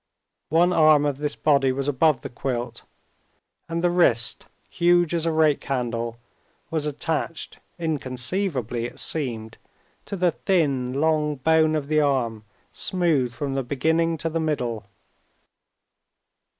One arm of this body was above the quilt, and the wrist, huge as a rake handle, was attached, inconceivably it seemed, to the thin, long bone of the arm smooth from the beginning to the middle.